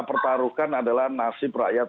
pertaruhkan adalah nasib rakyat